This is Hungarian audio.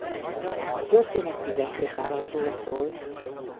A történet tizenkét állatról szól.